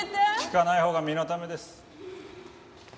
聞かないほうが身のためです。